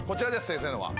先生のは。